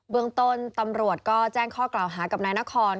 เมืองต้นตำรวจก็แจ้งข้อกล่าวหากับนายนคร